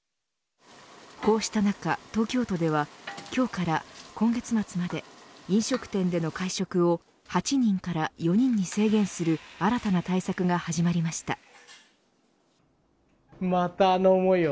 こうした中、東京都では今日から今月末まで飲食店での会食を８人から４人に制限する新たな対策が始まりました。